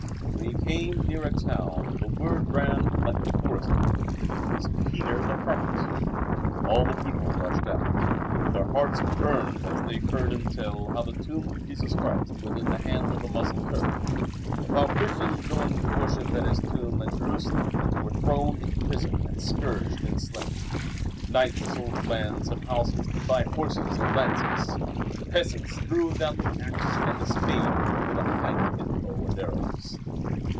When he came near a town the word ran like a forest fire, "It is Peter the Hermit." All the people rushed out. Their hearts burned as they heard him tell how the tomb of Jesus Christ was in the hand of the Moslem Turk, of how Christians going to worship at His Tomb in Jerusalem were thrown into prison and scourged and slain. Knights sold lands and houses to buy horses and lances. Peasants threw down the axe and the spade for the pike and bow and arrows.